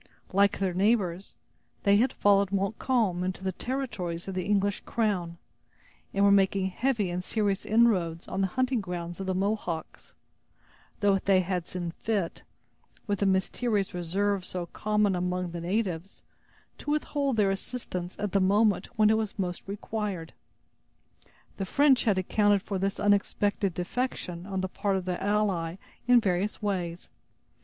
Like their neighbors, they had followed Montcalm into the territories of the English crown, and were making heavy and serious inroads on the hunting grounds of the Mohawks; though they had seen fit, with the mysterious reserve so common among the natives, to withhold their assistance at the moment when it was most required. The French had accounted for this unexpected defection on the part of their ally in various ways.